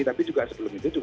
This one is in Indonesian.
tapi juga sebelum itu